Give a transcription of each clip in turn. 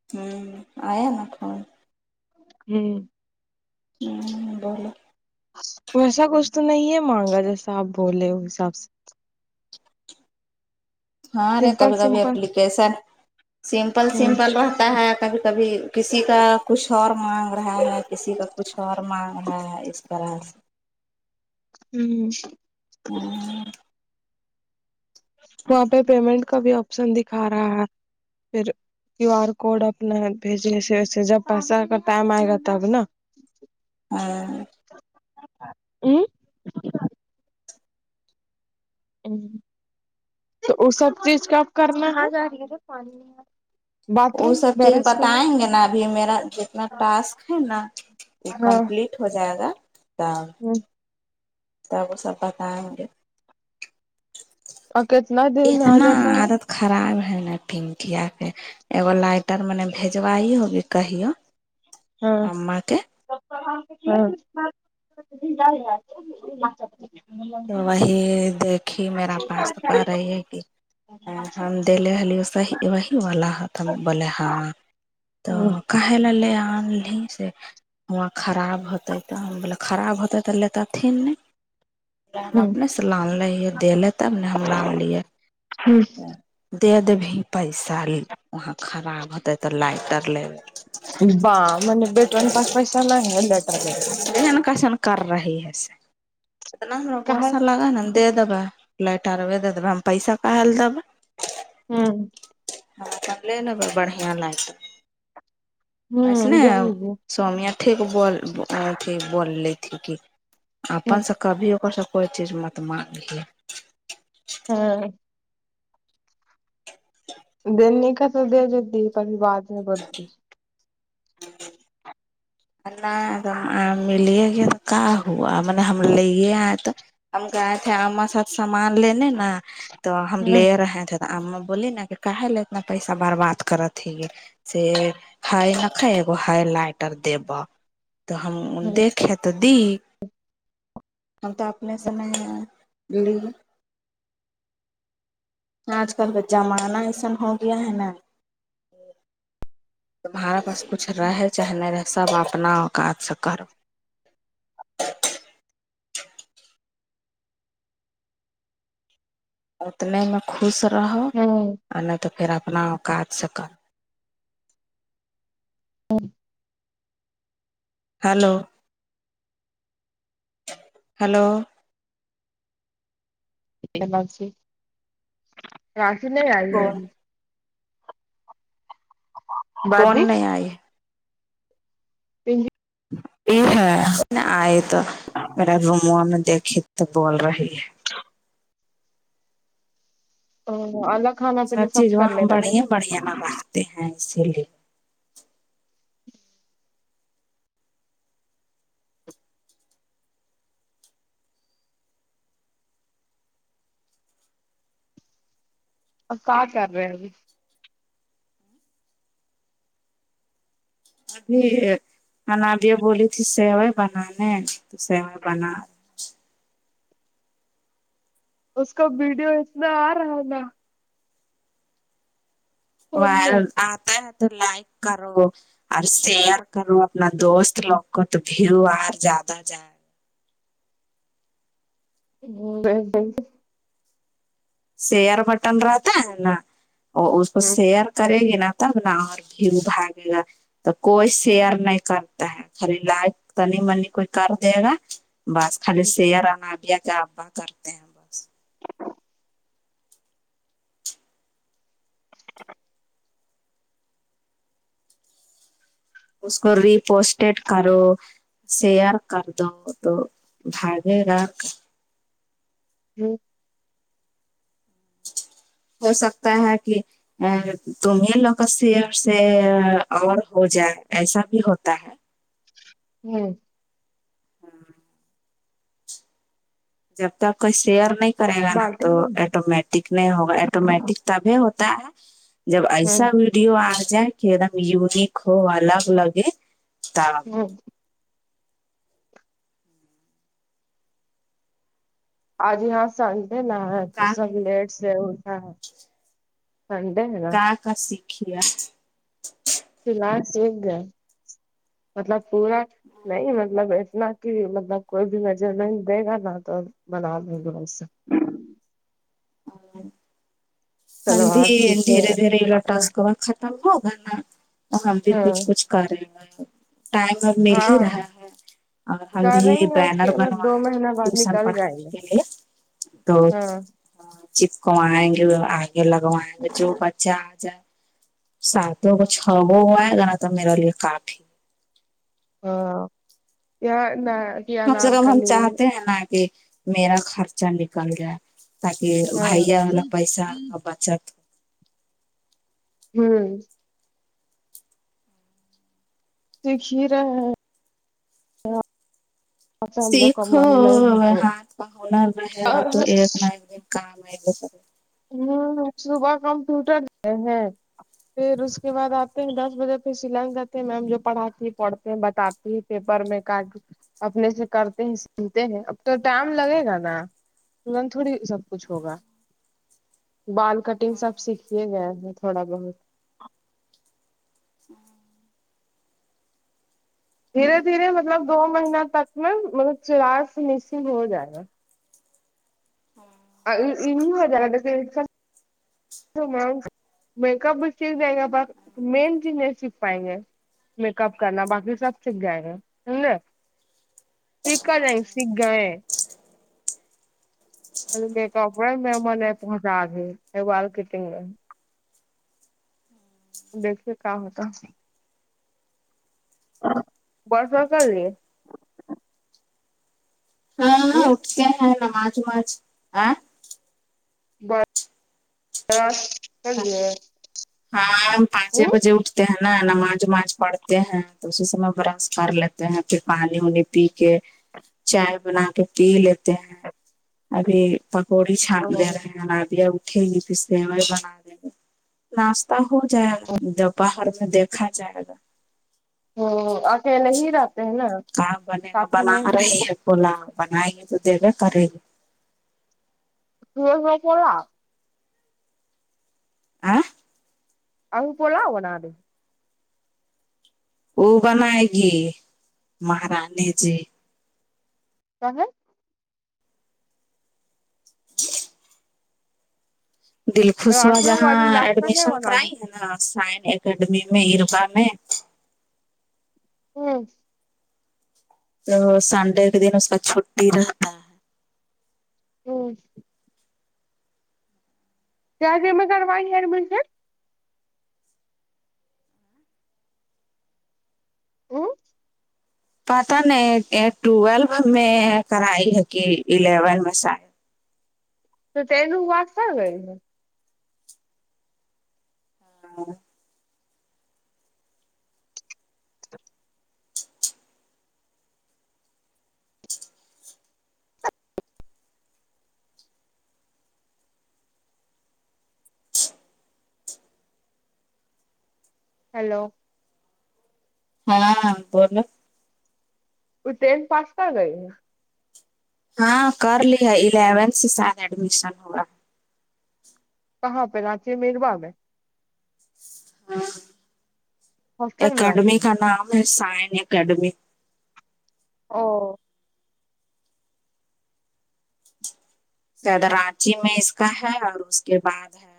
Hello ہوں آیا میں فون ہوں ہ بولو ویسا کچھ تو نہیں ہے مانگا جیسا آپ بولے اس حساب سے ہاں رے سمپل کبھی کبھی سمپل اپلیکیشن سمپل ہوں سمپل رہتا ہے کبھی کبھی کسی کا کچھ اور مانگ رہا ہے کسی کا کچھ اور مانگ رہا ہے اس طرح سے ہوں جی وہاں پہ پیمنٹ کا بھی آپشن دکھا رہا ہے پھر کیو آر کوڈ اپنا بھیجے سے ویسے جب پیسہ کا ٹائم آئے گا تب نا ہاں ا ہ تو وہ سب چیز کا اب کرنایانی وہ سب چیز بتائیں گے نا ابھی میرا جتنا ٹاسک ہے نا وہ کمپلیٹ ہو جائے گا ہوں سب سب بتائیں مجھے اور کتنا دیر میں آ اتنا جاتا ہے عادت خراب ہے ن پنکیا کے ایگو لائٹر م نے بھیجوائی ہوگی کہہو ہاں [inaudible] تو وہی دیکھی میرا پاس تو کر رہی ہے کہ ہم دےل صی وہی والا بولے ہاں ہاں کہ ل لے آن سےاں خراب ہوتتے تو بے خراب ہوتے ہے تو لیتے تھن نہیں پا ہم ہوں اپنے سے لان لیے دہلے تب نے ہم لان لیےے ہی دے دبھی پیسہ وہاں خراب ہوتے تو لائٹر لے با مے بیٹرن پچ پیس نہیں ہے لیٹر لیٹر ایسن کیسن کر رہی ہے سے اتنا ہم ل گسا لگا ہے نا دے دبا فلائٹ آر دے دبا ہم پیسہ کہل دبا ہاں ہاں س لے لب بڑھیا لگتا وسنے سومیہ ٹیک بول تھ بوللی تھے کہ اپن س کبھی ا سے کوئی چیز مت مان لیے ہاں د نہیں کا تو دے دیتی پر بات میں بولتی ن ملیے گی کا ہوا م نے ہم ل یہ آ تو ہم گئے تھے ہمار ساتھ سامان لینے نا تو ہم لے رہے تھے بول نا کہ لے اتنا پیسہ برباد کرت ت یہ س ہائی نہ ک گ ہائی لائٹر دی بہ تو ہم دیکیں تو دی ہم تو اپنے سے نہیں ہے لی آج کل کا زمانہ ایسن ہو گیا ہے نا تمہارا پاس کچھ رہے چاہے نہیں رہے سب اپنا اوقات سے کرو اتنے میں خوش رہو اور نہیں تو پھر اپنا کاج سے کرو ہ [unintelligible] ہلو ہیلو رشی نہیں آئی کون ہےی ہاں کون نہیں آئی پ یہ ہے آئے تو میرا روما میں دیکھی تو بول رہی ہے تو او ال سب چیز وہاں ہم بڑے بڑھیا میں رکھتے ہیں اسی لیے [inaudible] اب کہ کر رہے ہیں اب ابھی منابیا بولی تھی سیوائے بنانے تو سیوائے بنا اس کا وڈیو اتنا آ رہا ہے نا و فون میں آتا ہے تو لائک کرو اور شیئر کرو اپنا دوست لوگ کو تو بھیڑو آر جیادہ جائے ہ [unintelligible] شیئر بٹن رہتا ہے نا وہ اس کو شیئر کرے گی نا تب نا اور بھیو بھاگے گا تو کوئی شیئر نہیں کرتا ہے خالی لائک تنی منی کوئی کر دے گا بس خالی سئرا نبیا کا ابا کرتے ہیں بس ا [inaudible] اس کو ریپوسٹیڈ کرو شئر کر دو تو بھگے گا ہوں ہو سکتا ہے کہ ا تمیں لک سے اور ہو جائے ایسا بھی ہوتا ہے ہوں ہاں جب تک کوئی شیئر نہیں کرے گا نا بالٹی تو نہیں ایٹومیٹک ٹک نہیں ہوگا ایٹومیٹک تبھی ہوتا ہے جب ہے ایسا ہمم بھی ڈیو آ جائے کہ ایک دم یونک ہو الگ لگے ت جی آج یہاں سنڈے نہا ہے تو کا سب لیٹ سے اٹھا ہے سڈ ہے نا کا کا سھیا [inaudible] ف لس و گ مطلب پورا نہیں مطلب اتنا کہ مطلب کوئی بھی نظر نہیں دے گا نہ تو بنا دوں گو اس سے اور ہم بھی سلوار سیکھے دھیرے دھیرے آنا۔ لٹاس ک ختم ہوگا نا تو ہم بھی کچھ ہاں کچھ کرےا ٹائم اب مل ہی ہاں رہا ہے اور ہم بھی کریں گے اس بینر کے بعد دو بنوایا ہے مہینہ بعد ٹیوشن نکل جائیں پڑھانے گے کے لیے تو ہاں چپکویں گے وہ آگے لگوائیں گے جو بچہ آ جائے ساتوں کو چھ وہ ہوئے گا نا تو میرا لیے کاف ہی ہاں نہ کیا ہم سب نام اب ہم کلی چاہتے ہیں نا کہ میرا خرچہ نکل جائے تاکہ ہاں بھائیا والا پیسہ کا بچت ہو ہوں جو کھیرا ہے اچھا ہم لوگ کا سیکھو من نہیں ہے تو ہاتھ کا ہنر رہے گا تو ہاں ایک نہ ایک دن کام آئے گا ہوں صبح کمپیوٹر ہیں پھر اس کے بعد آتے ہیں دس بجے پھر شلانگ جتے ہیں میم جو پڑاتی ہے پڑھتے ہیں بتاتے پیپر میں کاٹ اپنے سے کرتے ہیں سنتے ہیں اب تو ٹائم لگے گا نا تورت تھوڑی سب کچھ ہوگا بال کٹنگ سب سیکھیے گیا تھوڑا بہت ہوں دھیرے دھیرے مطلب دو مہینہ تک میں مطلب چراغ فشنگ ہو جائے گا ہاں ان جا ت تو می میک اپ بھی سیکھ جائےیں گا بس مین چیز نہیں سیکھ پائیں گے میک اپ کرنا باقی سب سھ گائے گا سمجے سیککا ج سیکھ گئے پل میں کپڑا مم پہنچا د کٹنگ میں دیکھیے کیا ہوتا برس ب کر لیی ہاں ہ ہاں اٹھتے ہیں نماز وماز آ بس گ ہاں پانچ ہی بجے اٹتے ہیں نا نماز وماز پڑھتے ہیں تو اسی سمے برش کر لیتے ہیں پھر پانی وانی پی کے چائے بنا کے پی لیتے ہیں ابھی پکوڑی چھان لے رہے ہ ہیں رادیاں اٹھیں گی پھر سوائی بنا دیں گے ناشتہ ہو جائے گا ج باہر میں دیکھا جائے گا ہ اکیل ہی را کام بنے گا بنا رہی ہے پلا بنیں گے تو دے گا کرے گی ر ر پڑا آ ا پولا ہوناے وہ بنائے گی مہارانی جی کہاں دل خوشوا آٹو واج جہاں ناشتہ نہیں ایڈمیشن بنا دے کرائی ہے نا ہ سائن اکاڈمی میں اکام ہوں تو سنڈے کے دن اس کا چھٹی رہتا ہے ہو ج مگر وہائ مجے ہ پتہ نہیں ٹویلو میں کرائی ہے کہ الیون میں س تو تو ن وق سر گئی ہاں ہیلو ہاں بولو وہ ٹینھ پاس کر گئی ہاں کر لی ہے الیونتھ سے شاید ایڈمیشن ہوا کہاں پہ رانچی مر باغ ہے ہاں ہاسٹل میں اکیڈمی رہتی ہے کا نام ہے سائن اکیڈمی او کہد راانچی میں اس کا ہے اور اس کے بعد ہے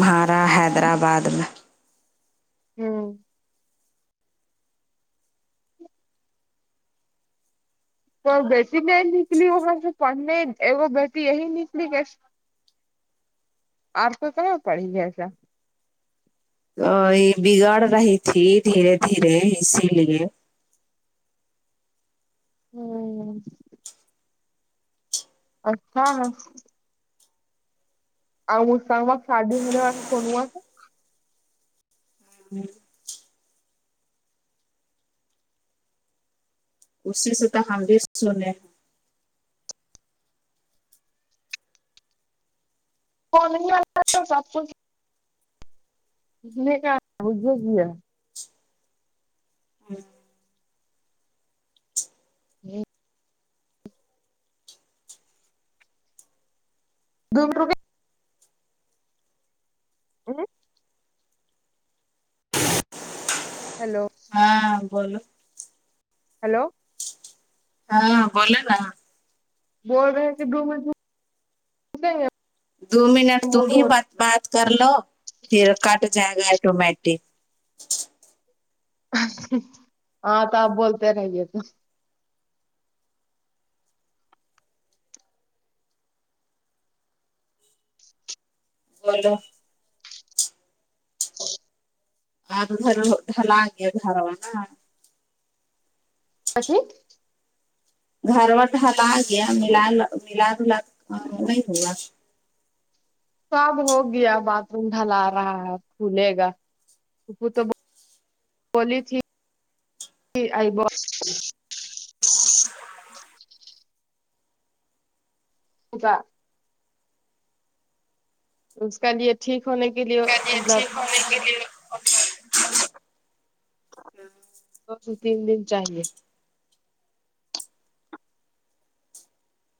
مہارا حیدرآباد میں ہاں تو بیٹی میں نکلی وہاں جو پڑھنے وہ بیٹی یہی نکلی کہ آر تو کاں پڑ گیاسا ا یہ بگڑ رہی تھی دھیرے دھیرے اسی لیے ہوں اچھا ن اور اسسامباد شادی ہونے والا سنوا سے ہوں اسی سے تو ہم بھی سنے ہیں فن والا تو سب کچھ ا نے کہ مجھے کیا د روپ ا ہیلو ہاں بولو ہیلو ہاں بولے نا بول رہے کہ ڈ مج [unintelligible] دو منٹ تم موڈ ہو بات بات کر لو پھر کٹ جائے گا ایٹومیٹک ہاں تو آپ بولتے رہے تو اورا [unintelligible] آپ دھر لگے دھرانا ا گھر وٹ ہلا گیا ملا ل ملا دلا نہیں ہوا تو اب ہو گیا باتھ روم ڈھل رہا ہے کھلے گاپو تو بولی تھی آئی ب اچا اس کا لیے ٹھیک ہونے کے لیے ب مطلب کے لی [unintelligible] س تین دن چاہیے [unintelligible]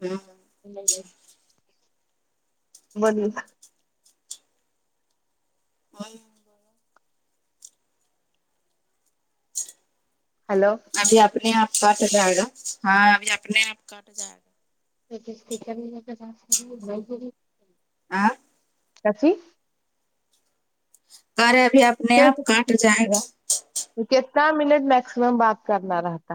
ہوں جی [unintelligible] بول [unintelligible] ہلو ابھی اپنے آپ کاٹ جائے گا ہاں ابھی اپنے آپ کاٹ جائے گا [unintelligible] تو جس کی ب [unintelligible] آ [unintelligible] کسیی [unintelligible] کاریہ بھی اپنے آپ کاٹ جائے گا کتنا منٹ میکسمم بات کرنا رہتا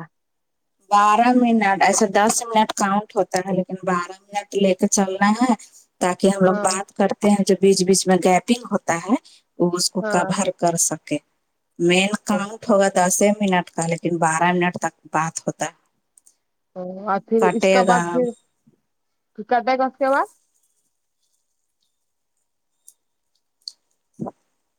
بارہ منٹ ایسے دس منٹ کاؤنٹ ہوتا ہے لیکن بارہ تو لے کے چلنا ہے [unintelligible] تاکہ ہم لوگ ہاں بات کرتے ہیں جو بیچ بیچ میں گیپنگ ہوتا ہے وہ اس کو ہاں کبھر کر سکے مین کاؤنٹ ہوگا دس منٹ کا لیکن بارہ منٹ تک بات ہوتا ا [unintelligible] او اور پھر اس کے بعد پھرھر کٹے گا اس کے بعد [unintelligible] [inaudible]